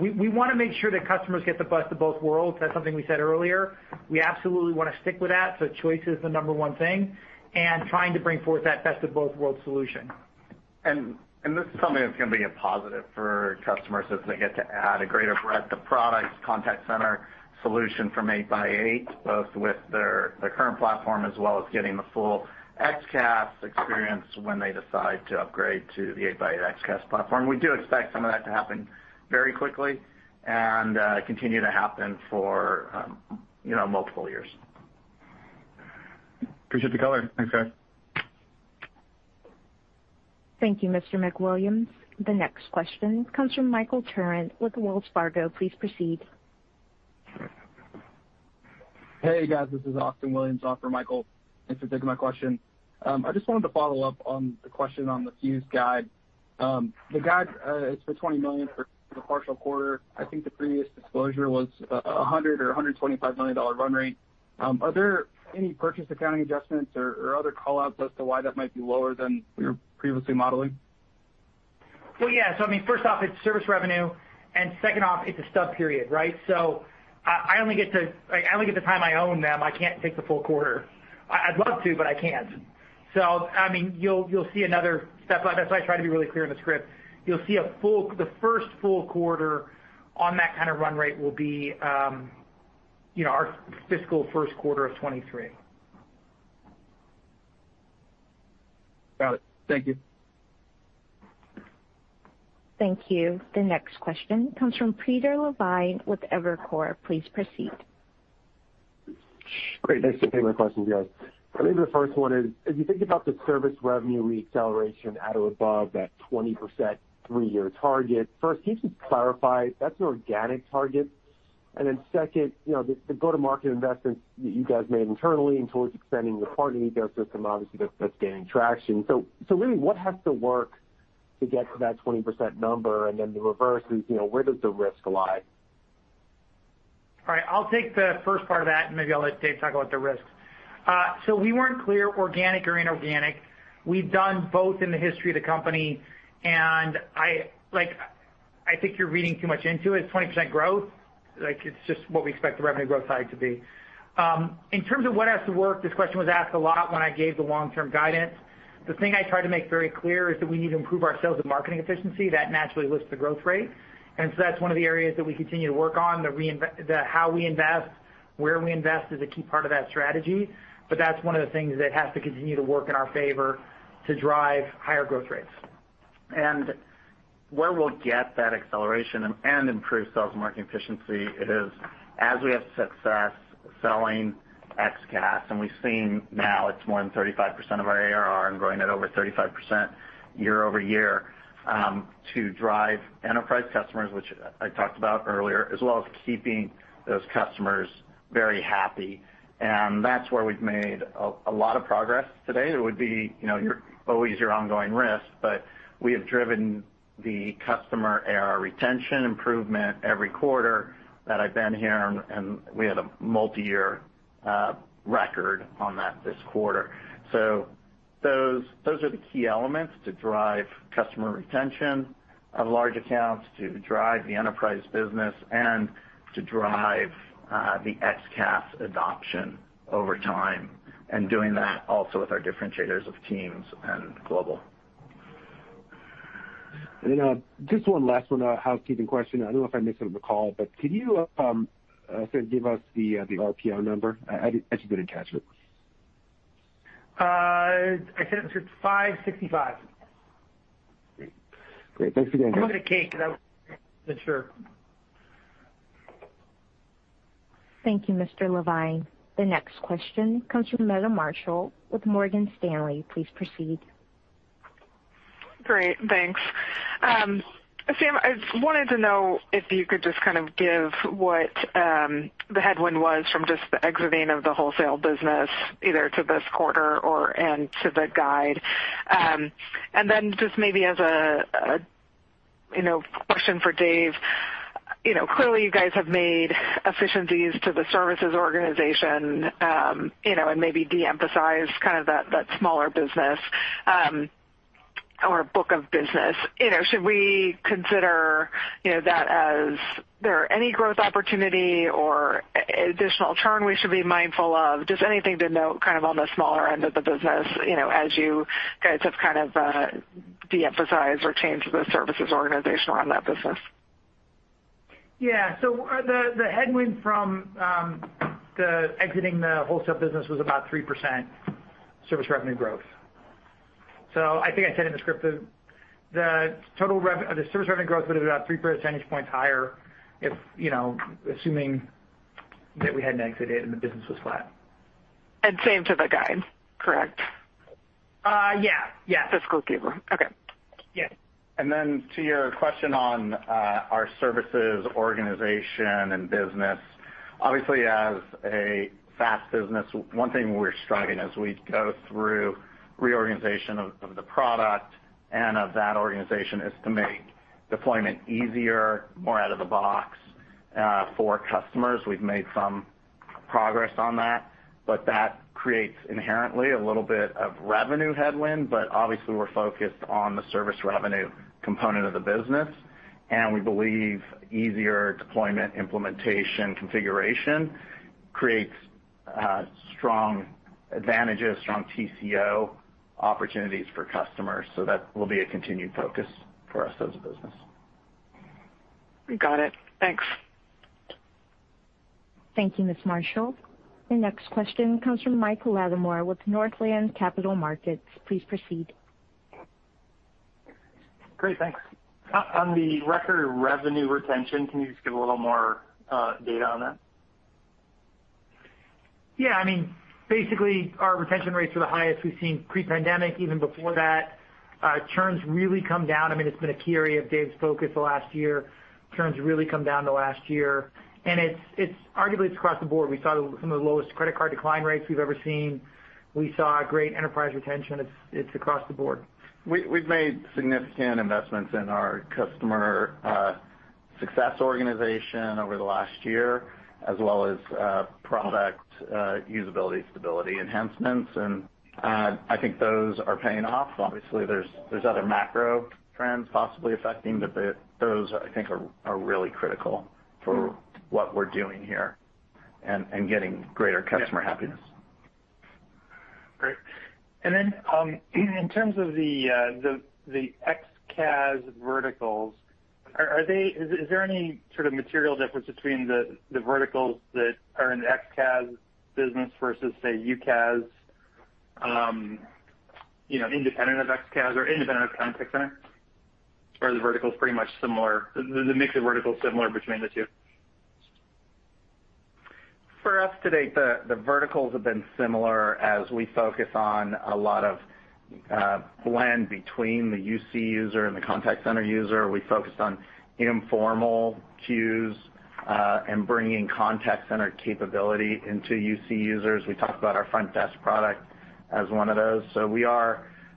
Speaker 4: We wanna make sure that customers get the best of both worlds. That's something we said earlier. We absolutely wanna stick with that. Choice is the number one thing and trying to bring forth that best of both worlds solution.
Speaker 7: This is something that's gonna be a positive for customers as they get to add a greater breadth of products, contact center solution from 8x8, both with their current platform as well as getting the full XCaaS experience when they decide to upgrade to the 8x8 XCaaS platform. We do expect some of that to happen very quickly and continue to happen for, you know, multiple years. Appreciate the color. Thanks, guys.
Speaker 1: Thank you, Mr. MacWilliams. The next question comes from Michael Turrin with Wells Fargo. Please proceed.
Speaker 8: Hey, guys, this is Austin Williams on for Michael. Thanks for taking my question. I just wanted to follow up on the question on the Fuse guide. The guide is for $20 million for the partial quarter. I think the previous disclosure was $100 or $125 million run rate. Are there any purchase accounting adjustments or other call outs as to why that might be lower than we were previously modeling?
Speaker 4: Well, yeah. I mean, first off, it's service revenue, and second off, it's a stub period, right? I only get the time I own them. I can't take the full quarter. I'd love to, but I can't. I mean, you'll see another step. That's why I try to be really clear in the script. You'll see the first full quarter on that kind of run rate will be our fiscal Q1 of 2023.
Speaker 8: Got it. Thank you.
Speaker 1: Thank you. The next question comes from Peter Levine with Evercore. Please proceed.
Speaker 9: Great. Thanks for taking my questions, guys. I think the first one is, as you think about the service revenue re-acceleration at or above that 20% three-year target. First, can you just clarify if that's an organic target? Second, you know, the go-to-market investments you guys made internally and towards extending your partner ecosystem, obviously, that's gaining traction. Really, what has to work to get to that 20% number? The reverse is, you know, where does the risk lie?
Speaker 4: All right. I'll take the first part of that, and maybe I'll let Dave talk about the risks. So we weren't clear organic or inorganic. We've done both in the history of the company, and I like, I think you're reading too much into it. It's 20% growth. Like, it's just what we expect the revenue growth side to be. In terms of what has to work, this question was asked a lot when I gave the long-term guidance. The thing I try to make very clear is that we need to improve our sales and marketing efficiency that naturally lifts the growth rate. That's one of the areas that we continue to work on, the how we invest, where we invest is a key part of that strategy. That's one of the things that has to continue to work in our favor to drive higher growth rates.
Speaker 3: Where we'll get that acceleration and improve sales and marketing efficiency is as we have success selling XCaaS, and we've seen now it's more than 35% of our ARR and growing at over 35% year-over-year to drive enterprise customers, which I talked about earlier, as well as keeping those customers very happy. That's where we've made a lot of progress to date. It would be, you know, you're always an ongoing risk, but we have driven the customer ARR retention improvement every quarter that I've been here, and we had a multiyear record on that this quarter. Those are the key elements to drive customer retention of large accounts, to drive the enterprise business and to drive the XCaaS adoption over time, and doing that also with our differentiators of Teams and global.
Speaker 9: Just one last one, a housekeeping question. I don't know if I missed it in the call, but could you give us the RPO number? I just didn't catch it.
Speaker 4: I said it's $565.
Speaker 9: Great. Thanks again.
Speaker 4: I'm looking at Kate 'cause I wasn't sure.
Speaker 1: Thank you, Mr. Levine. The next question comes from Meta Marshall with Morgan Stanley. Please proceed.
Speaker 10: Great. Thanks. Sam, I just wanted to know if you could just kind of give what the headwind was from just the exiting of the wholesale business, either to this quarter or, and to the guide. Just maybe as a you know, question for Dave, you know, clearly you guys have made efficiencies to the services organization, you know, and maybe deemphasize kind of that smaller business or book of business. You know, should we consider you know, that as there are any growth opportunity or additional churn we should be mindful of? Just anything to note kind of on the smaller end of the business, you know, as you guys have kind of deemphasized or changed the services organization around that business.
Speaker 4: Yeah. The headwind from exiting the wholesale business was about 3% service revenue growth. I think I said in the script, the service revenue growth would have been about 3 percentage points higher if, you know, assuming that we hadn't exited and the business was flat.
Speaker 10: Same for the guide, correct?
Speaker 4: Yeah. Yeah.
Speaker 10: Fiscal Q. Okay.
Speaker 4: Yeah.
Speaker 3: To your question on our services organization and business. Obviously, as a fast business, one thing we're striving as we go through reorganization of the product and of that organization is to make deployment easier, more out of the box, for customers. We've made some progress on that, but that creates inherently a little bit of revenue headwind, but obviously we're focused on the service revenue component of the business, and we believe easier deployment, implementation, configuration creates strong advantages, strong TCO opportunities for customers. That will be a continued focus for us as a business.
Speaker 10: Got it. Thanks.
Speaker 1: Thank you, Ms. Marshall. The next question comes from Michael Latimore with Northland Capital Markets. Please proceed.
Speaker 11: Great, thanks. On the record revenue retention, can you just give a little more data on that?
Speaker 4: Yeah. I mean, basically, our retention rates are the highest we've seen pre-pandemic, even before that. Churns really come down. I mean, it's been a key area of Dave's focus the last year. Churns really come down the last year. It's arguably across the board. We saw some of the lowest credit card decline rates we've ever seen. We saw great enterprise retention. It's across the board.
Speaker 3: We've made significant investments in our customer success organization over the last year, as well as product usability, stability enhancements. I think those are paying off. Obviously, there's other macro trends possibly affecting, but those I think are really critical for what we're doing here and getting greater customer happiness.
Speaker 11: Great. Then, in terms of the XCaaS verticals, is there any sort of material difference between the verticals that are in XCaaS business versus say UCaaS, you know, independent of XCaaS or independent of Contact Center? Or are the verticals pretty much similar, the mix of verticals similar between the two?
Speaker 3: For us to date, the verticals have been similar as we focus on a lot of blend between the UC user and the contact center user. We focused on informal queues and bringing contact center capability into UC users. We talked about our front desk product as one of those.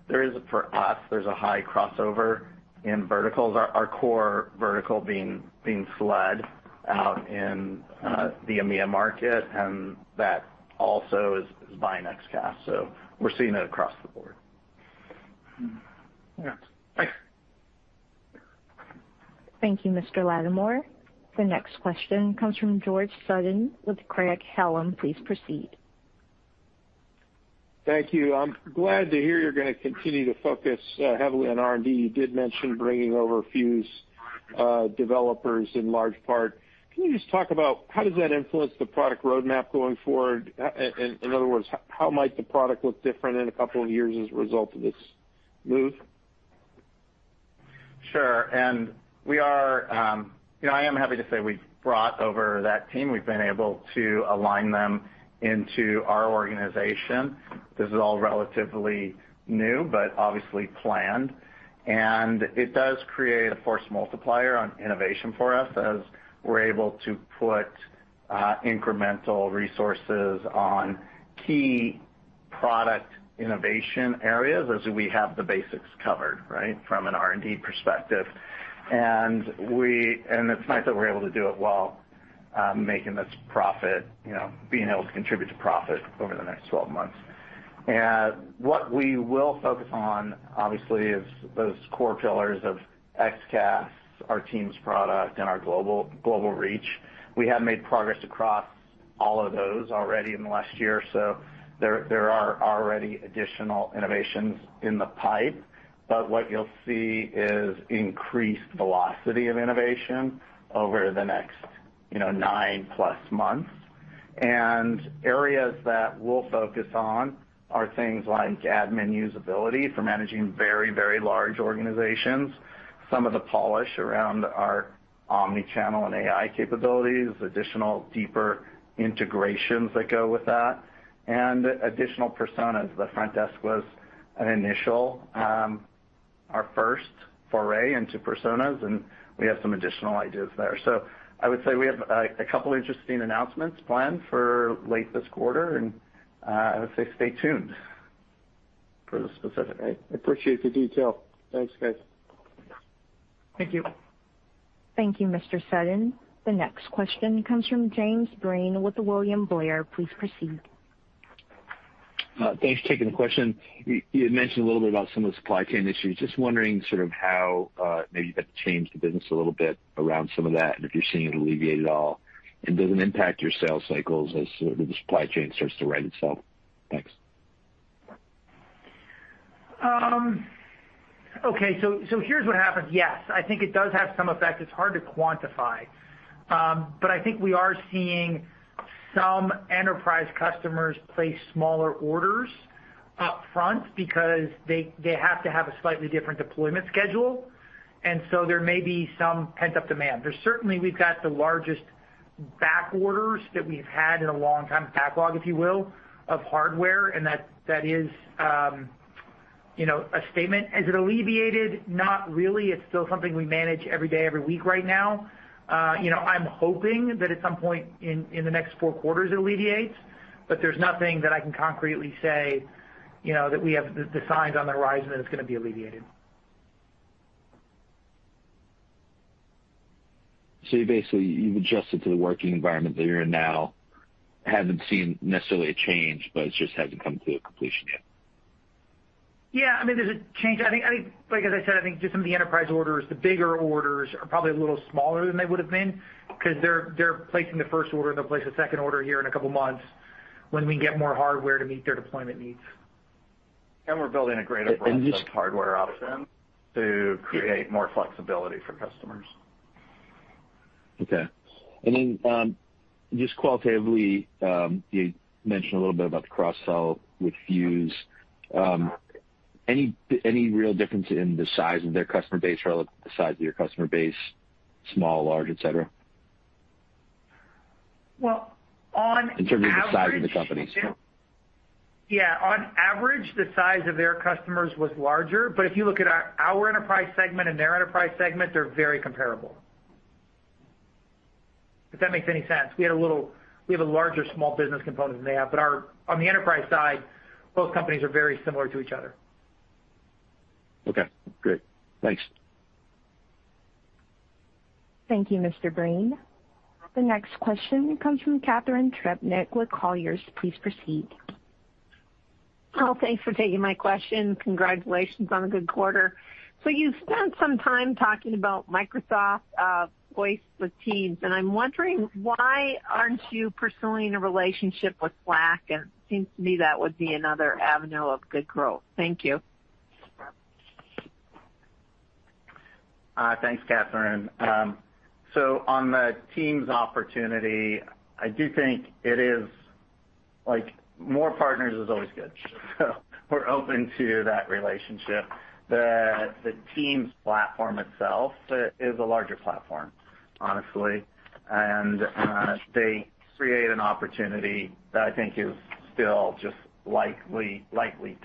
Speaker 3: There is, for us, a high crossover in verticals. Our core vertical being fleshed out in the EMEA market, and that also is buying XCaaS. We're seeing it across the board.
Speaker 12: Yeah. Thanks.
Speaker 1: Thank you, Mr. Latimore. The next question comes from George Sutton with Craig-Hallum. Please proceed.
Speaker 13: Thank you. I'm glad to hear you're gonna continue to focus heavily on R&D. You did mention bringing over Fuse developers in large part. Can you just talk about how does that influence the product roadmap going forward? In other words, how might the product look different in a couple of years as a result of this move?
Speaker 3: Sure. You know, I am happy to say we've brought over that team. We've been able to align them into our organization. This is all relatively new but obviously planned. It does create a force multiplier on innovation for us as we're able to put incremental resources on key product innovation areas as we have the basics covered, right, from an R&D perspective. It's nice that we're able to do it while making this profit, you know, being able to contribute to profit over the next 12 months. What we will focus on, obviously, is those core pillars of XCaaS, our Teams product, and our global reach. We have made progress across all of those already in the last year, so there are already additional innovations in the pipe. What you'll see is increased velocity of innovation over the next, you know, 9+ months. Areas that we'll focus on are things like admin usability for managing very, very large organizations, some of the polish around our omni-channel and AI capabilities, additional deeper integrations that go with that, and additional personas. The front desk was an initial, our first foray into personas, and we have some additional ideas there. I would say we have a couple interesting announcements planned for late this quarter, and I would say stay tuned for the specific, right?
Speaker 13: I appreciate the detail. Thanks, guys.
Speaker 3: Thank you.
Speaker 1: Thank you, Mr. Sutton. The next question comes from Jim Breen with William Blair. Please proceed.
Speaker 14: Thanks for taking the question. You had mentioned a little bit about some of the supply chain issues. Just wondering sort of how maybe you've had to change the business a little bit around some of that and if you're seeing it alleviate at all. Does it impact your sales cycles as the supply chain starts to right itself? Thanks.
Speaker 3: Okay. Here's what happens. Yes, I think it does have some effect. It's hard to quantify. I think we are seeing some enterprise customers place smaller orders up front because they have to have a slightly different deployment schedule. There may be some pent-up demand. There's certainly we've got the largest back orders that we've had in a long time, backlog, if you will, of hardware, and that is, you know, a statement. Has it alleviated? Not really. It's still something we manage every day, every week right now. You know, I'm hoping that at some point in the next 4 quarters it alleviates, but there's nothing that I can concretely say, you know, that we have the signs on the horizon that it's gonna be alleviated.
Speaker 14: You basically, you've adjusted to the working environment that you're in now. I haven't seen necessarily a change, but it just hasn't come to a completion yet.
Speaker 3: Yeah. I mean, there's a change. I think, like as I said, I think just some of the enterprise orders, the bigger orders are probably a little smaller than they would've been 'cause they're placing the first order, and they'll place a second order here in a couple months when we can get more hardware to meet their deployment needs.
Speaker 13: We're building a greater breadth of hardware options to create more flexibility for customers.
Speaker 14: Okay. Just qualitatively, you mentioned a little bit about the cross-sell with Fuse. Any real difference in the size of their customer base relative to the size of your customer base, small, large, et cetera?
Speaker 3: Well, on average.
Speaker 14: In terms of the size of the company.
Speaker 3: Yeah. On average, the size of their customers was larger, but if you look at our enterprise segment and their enterprise segment, they're very comparable. If that makes any sense. We have a larger small business component than they have, but on the enterprise side, both companies are very similar to each other.
Speaker 14: Okay, great. Thanks.
Speaker 1: Thank you, Mr. Breen. The next question comes from Catharine Trebnick with Colliers. Please proceed.
Speaker 15: Oh, thanks for taking my question. Congratulations on a good quarter. You've spent some time talking about Microsoft Voice for Teams, and I'm wondering why aren't you pursuing a relationship with Slack? It seems to me that would be another avenue of good growth. Thank you.
Speaker 3: Thanks, Catharine. On the Teams opportunity, I do think it is like more partners is always good. We're open to that relationship. The Teams platform itself is a larger platform, honestly. They create an opportunity that I think is still just lightly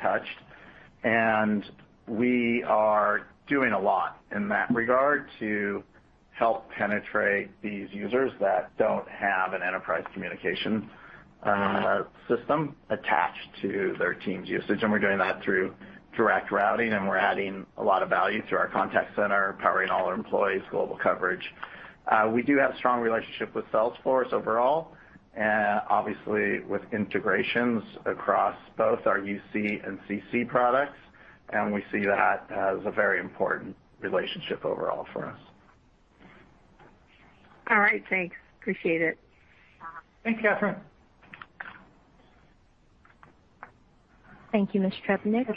Speaker 3: touched. We are doing a lot in that regard to help penetrate these users that don't have an enterprise communication system attached to their Teams usage. We're doing that through direct routing, and we're adding a lot of value through our contact center, powering all our employees' global coverage. We do have strong relationship with Salesforce overall, and obviously with integrations across both our UC and CC products, and we see that as a very important relationship overall for us.
Speaker 16: All right, thanks. Appreciate it.
Speaker 4: Thanks, Catharine.
Speaker 1: Thank you, Ms. Trebnick.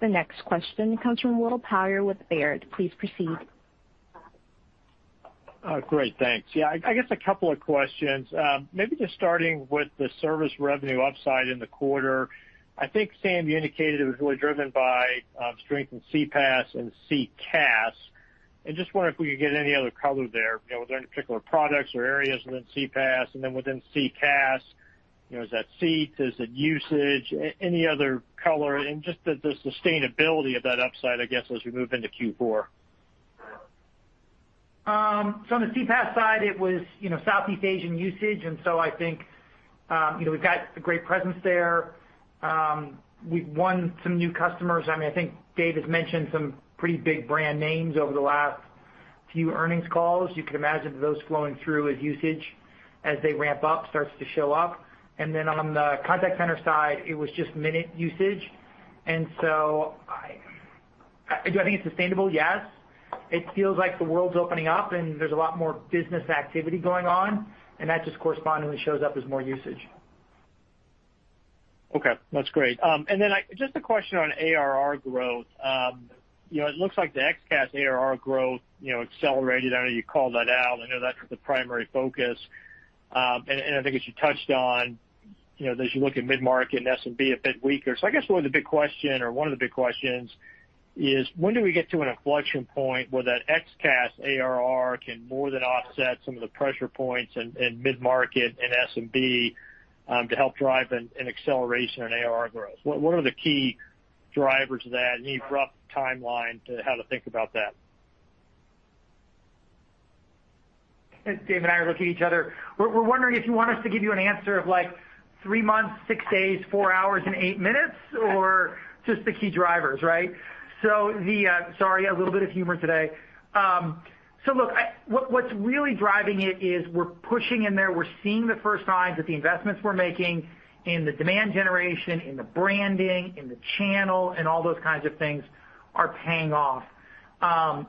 Speaker 1: The next question comes from William Power with Baird. Please proceed.
Speaker 17: Great, thanks. Yeah, I guess a couple of questions. Maybe just starting with the service revenue upside in the quarter. I think, Sam, you indicated it was really driven by strength in CPaaS and CCaaS. I just wonder if we could get any other color there. You know, were there any particular products or areas within CPaaS? And then within CCaaS, you know, is that seats? Is it usage? Any other color and just the sustainability of that upside, I guess, as we move into Q4.
Speaker 4: On the CPaaS side, it was, you know, Southeast Asian usage, and so I think, you know, we've got a great presence there. We've won some new customers. I mean, I think Dave has mentioned some pretty big brand names over the last few earnings calls. You can imagine those flowing through as usage, as they ramp up, starts to show up. On the contact center side, it was just minute usage. Do I think it's sustainable? Yes. It feels like the world's opening up, and there's a lot more business activity going on, and that just correspondingly shows up as more usage.
Speaker 17: Okay, that's great. Just a question on ARR growth. You know, it looks like the XCaaS ARR growth, you know, accelerated. I know you called that out. I know that's the primary focus. I think as you touched on, you know, as you look at mid-market and SMB a bit weaker. So I guess one of the big question or one of the big questions is: When do we get to an inflection point where that XCaaS ARR can more than offset some of the pressure points in mid-market and SMB, to help drive an acceleration in ARR growth? What are the key drivers of that? Any rough timeline to how to think about that?
Speaker 4: Dave and I are looking at each other. We're wondering if you want us to give you an answer of, like, 3 months, 6 days, 4 hours and 8 minutes or just the key drivers, right? Sorry, a little bit of humor today. Look, what's really driving it is we're pushing in there. We're seeing the first signs that the investments we're making in the demand generation, in the branding, in the channel, and all those kinds of things are paying off.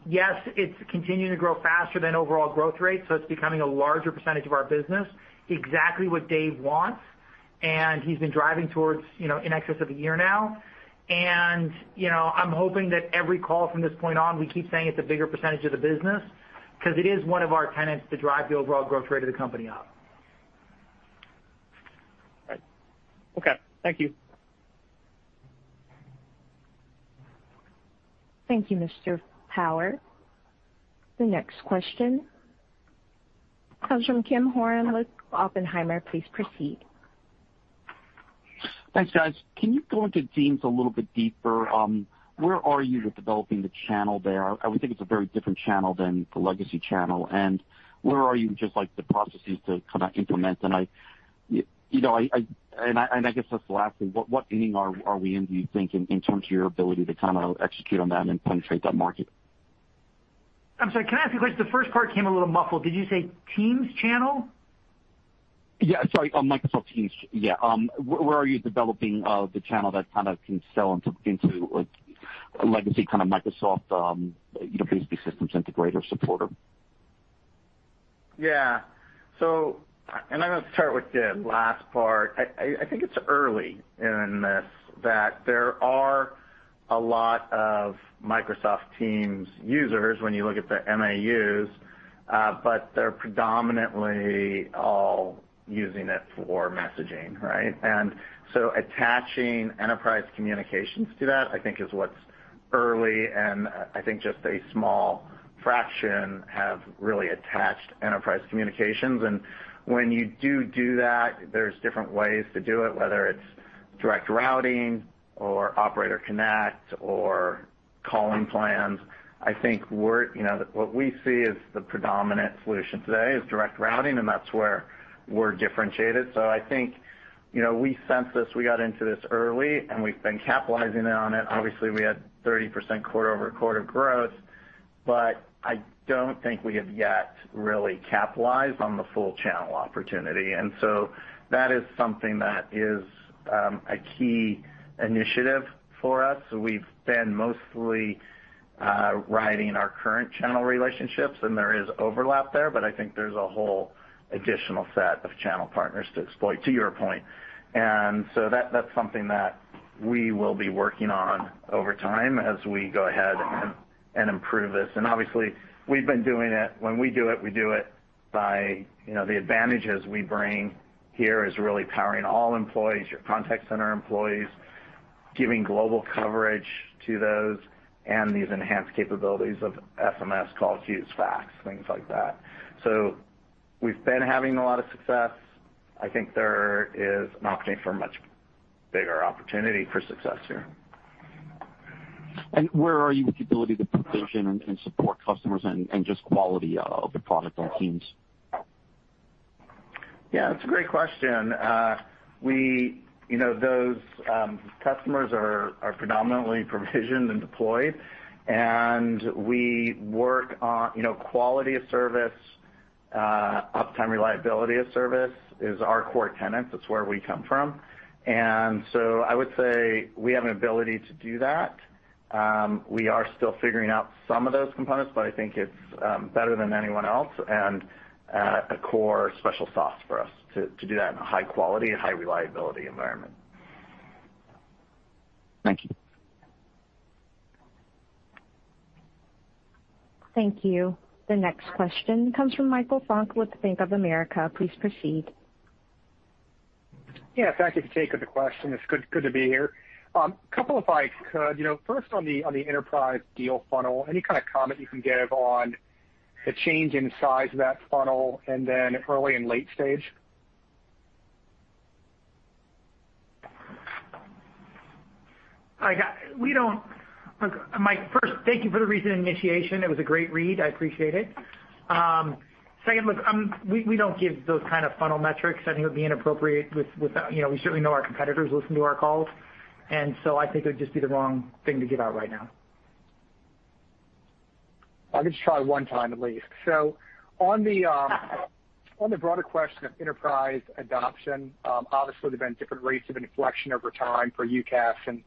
Speaker 4: Yes, it's continuing to grow faster than overall growth rates, so it's becoming a larger percentage of our business, exactly what Dave wants, and he's been driving towards, you know, in excess of a year now. You know, I'm hoping that every call from this point on, we keep saying it's a bigger percentage of the business 'cause it is one of our tenets to drive the overall growth rate of the company up.
Speaker 17: Right. Okay. Thank you.
Speaker 1: Thank you, Mr. Power. The next question comes from Tim Horan with Oppenheimer. Please proceed.
Speaker 18: Thanks, guys. Can you go into Teams a little bit deeper? Where are you with developing the channel there? I would think it's a very different channel than the legacy channel. Where are you with just, like, the processes to kinda implement? I, you know, guess that's the last thing. What inning are we in, do you think, in terms of your ability to kinda execute on that and penetrate that market?
Speaker 4: I'm sorry. Can I ask you a question? The first part came a little muffled. Did you say Teams channel?
Speaker 18: Yeah. Sorry. Microsoft Teams. Yeah. Where are you developing the channel that kinda can sell into, like, a legacy kinda Microsoft, you know, basically systems integrator supporter?
Speaker 3: I'm gonna start with the last part. I think it's early in this, that there are a lot of Microsoft Teams users when you look at the MAUs, but they're predominantly all using it for messaging, right? Attaching enterprise communications to that, I think is what's early, and I think just a small fraction have really attached enterprise communications. When you do that, there's different ways to do it, whether it's direct routing or operator connect or calling plans. I think we're, you know, what we see as the predominant solution today is direct routing, and that's where we're differentiated. I think, you know, we sense this. We got into this early, and we've been capitalizing on it. Obviously, we had 30% quarter-over-quarter growth, but I don't think we have yet really capitalized on the full channel opportunity. That is something that is a key initiative for us. We've been mostly riding our current channel relationships, and there is overlap there, but I think there's a whole additional set of channel partners to exploit, to your point. That, that's something that we will be working on over time as we go ahead and improve this. Obviously, we've been doing it. When we do it, we do it by, you know, the advantages we bring here is really powering all employees, your contact center employees. Giving global coverage to those and these enhanced capabilities of SMS call queues, fax, things like that. We've been having a lot of success. I think there is an opportunity for a much bigger opportunity for success here.
Speaker 18: Where are you with the ability to provision and support customers and just quality of the product on Teams?
Speaker 3: Yeah, that's a great question. You know, those customers are predominantly provisioned and deployed, and we work on, you know, quality of service, uptime reliability of service is our core tenets. That's where we come from. I would say we have an ability to do that. We are still figuring out some of those components, but I think it's better than anyone else and a core special sauce for us to do that in a high quality, high reliability environment.
Speaker 18: Thank you.
Speaker 1: Thank you. The next question comes from Michael Funk with Bank of America. Please proceed.
Speaker 19: Yeah. Thank you for taking the question. It's good to be here. A couple if I could. You know, first on the enterprise deal funnel, any kind of comment you can give on the change in size of that funnel and then early and late stage?
Speaker 3: Look, Mike, first, thank you for the recent initiation. It was a great read. I appreciate it. Second, look, we don't give those kind of funnel metrics. I think it would be inappropriate with, you know, we certainly know our competitors listen to our calls, and so I think it would just be the wrong thing to give out right now.
Speaker 19: I can just try one time at least. On the broader question of enterprise adoption, obviously, there's been different rates of inflection over time for UCaaS and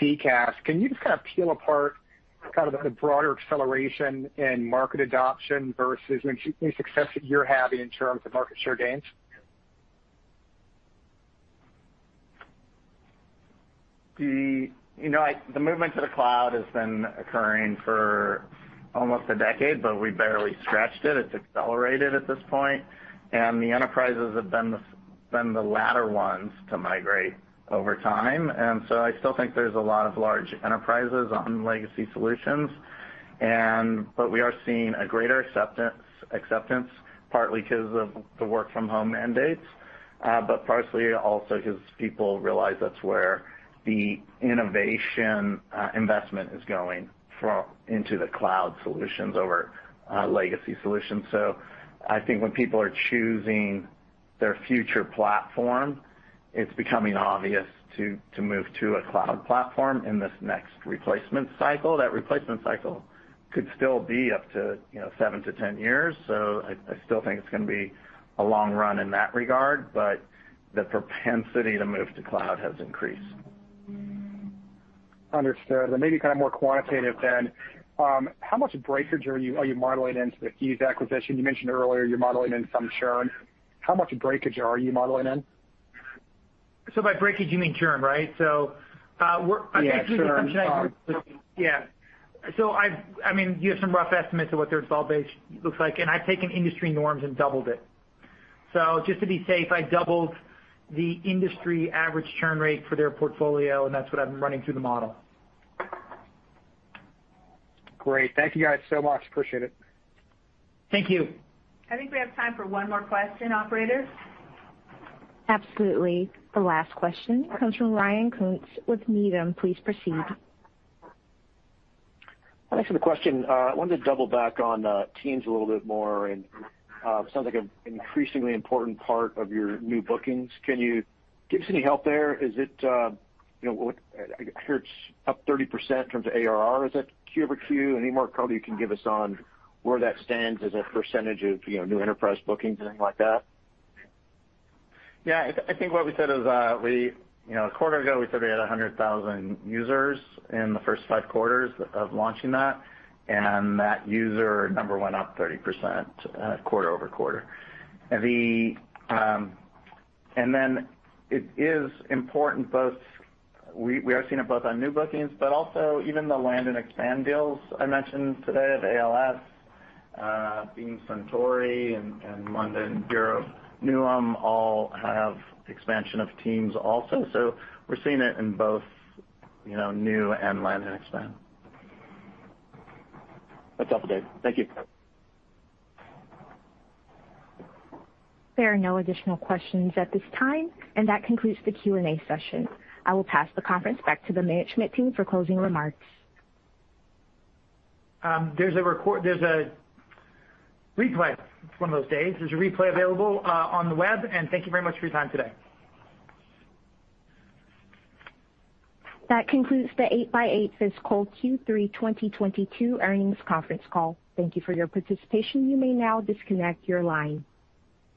Speaker 19: CCaaS. Can you just kinda peel apart kind of the broader acceleration in market adoption versus any success that you're having in terms of market share gains?
Speaker 3: You know, the movement to the cloud has been occurring for almost a decade, but we barely scratched it. It's accelerated at this point, and the enterprises have been the latter ones to migrate over time. I still think there's a lot of large enterprises on legacy solutions, but we are seeing a greater acceptance partly 'cause of the work from home mandates, but partially also 'cause people realize that's where the innovation investment is going into the cloud solutions over legacy solutions. I think when people are choosing their future platform, it's becoming obvious to move to a cloud platform in this next replacement cycle. That replacement cycle could still be up to, you know, 7-10 years, so I still think it's gonna be a long run in that regard, but the propensity to move to cloud has increased.
Speaker 19: Understood. Maybe kinda more quantitative than how much breakage are you modeling into the? You mentioned earlier you're modeling in some churn. How much breakage are you modeling in?
Speaker 3: By breakage, you mean churn, right? We're
Speaker 19: Yeah, churn.
Speaker 3: Yeah. I mean, you have some rough estimates of what their installed base looks like, and I've taken industry norms and doubled it. Just to be safe, I doubled the industry average churn rate for their portfolio, and that's what I'm running through the model.
Speaker 19: Great. Thank you guys so much. Appreciate it.
Speaker 3: Thank you.
Speaker 2: I think we have time for one more question, operator.
Speaker 1: Absolutely. The last question comes from Ryan Koontz with Needham. Please proceed.
Speaker 20: Thanks for the question. Wanted to double back on Teams a little bit more and sounds like an increasingly important part of your new bookings. Can you give us any help there? Is it, you know, I hear it's up 30% in terms of ARR. Is that Q over Q? Any more color you can give us on where that stands as a percentage of, you know, new enterprise bookings, anything like that?
Speaker 3: Yeah. I think what we said is, we said we had 100,000 users in the first five quarters of launching that, and that user number went up 30%, quarter-over-quarter. We are seeing it both on new bookings, but also even the land and expand deals I mentioned today of ALS, being Suntory and London Bureau of Newham all have expansion of Teams also. We're seeing it in both, you know, new and land and expand.
Speaker 20: That's all, Dave. Thank you.
Speaker 1: There are no additional questions at this time, and that concludes the Q&A session. I will pass the conference back to the management team for closing remarks.
Speaker 3: There's a replay. It's one of those days. There's a replay available on the web, and thank you very much for your time today.
Speaker 1: That concludes the 8x8 fiscal Q3 2022 earnings conference call. Thank you for your participation. You may now disconnect your line.